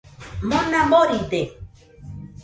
Mona boride